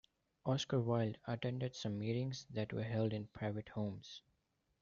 Oscar Wilde attended some meetings that were held in private homes.